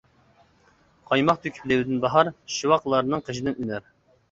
قايماق تۆكۈپ لېۋىدىن باھار، شىۋاقلارنىڭ قېشىدىن ئۈنەر.